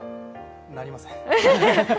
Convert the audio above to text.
鳴りません。